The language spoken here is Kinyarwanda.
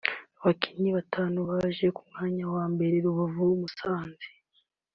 Abakinnyi batanu baje ku myanya ya mbere (Rubavu-Musanze)